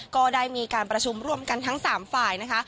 ก็ได้มีการประชุมร่วมกันทั้ง๓ฝ่ายนะคะ